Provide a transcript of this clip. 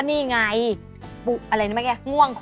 นี้จะเป็นมังคล